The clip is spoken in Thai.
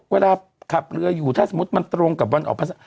เวลาขับเรืออยู่ถ้าสมมุติมันตรงกับวันออกภาษา